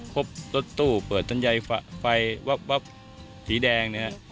พบรถตู้เปิดสัญญาณไฟวับสีแดง